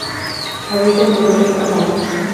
Habita en Europa y Japón.